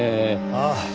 ああ。